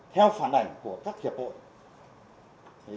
theo phản ảnh của các hiệp hội